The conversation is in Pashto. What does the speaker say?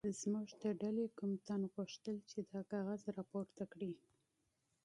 زموږ د ډلې کوم تن غوښتل چې دا کاغذ راپورته کړي.